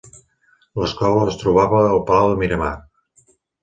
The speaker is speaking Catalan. L’escola es trobava al Palau de Miramar.